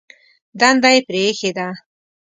دنده یې پرېښې ده.